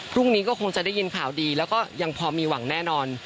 พรุ่งนี้ก็คงจะได้ยินข่าวดีแล้วก็ยังพอมีหวังแน่นอน